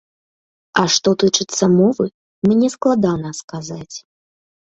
А што тычыцца мовы, мне складана сказаць.